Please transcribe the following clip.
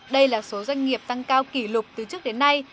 đây là số doanh nghiệp tăng cao kỷ lục từ trước đến nay